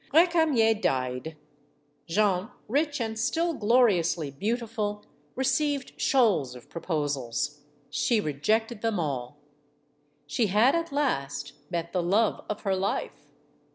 Recamier died. Jeanne, rich and still gloriously beautiful, received shoals of proposals. She rejected them all. She had at last met the love of her life.